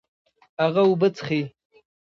هغه اوبه څښي